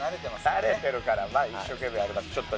慣れてるから一生懸命やります